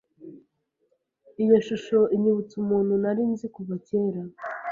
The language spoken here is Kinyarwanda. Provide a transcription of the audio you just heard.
Iyo shusho inyibutsa umuntu nari nzi kuva kera.